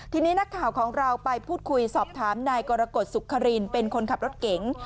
ทีนี้นักข่าวของเราไปพูดคุยสอบถามนายกรกฎสุขินเป็นคนขับรถเก๋ง